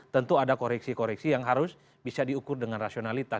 tentu ada koreksi koreksi yang harus bisa diukur dengan rasionalitas